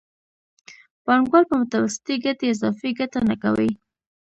پانګوال په متوسطې ګټې اضافي ګټه نه کوي